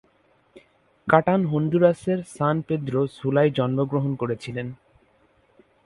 কাটান হন্ডুরাসের San Pedro সুলায় জন্মগ্রহণ করেছিলেন।